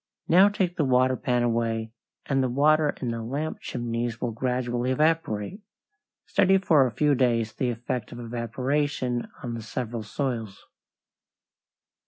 Now take the water pan away, and the water in the lamp chimneys will gradually evaporate. Study for a few days the effect of evaporation on the several soils.